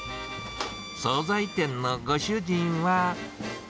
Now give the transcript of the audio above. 総菜店のご主人は。